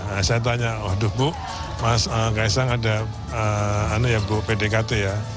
nah saya tanya waduh bu mas kaisang ada bu pdkt ya